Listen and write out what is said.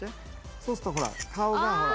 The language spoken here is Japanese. そうするとほら顔がほら。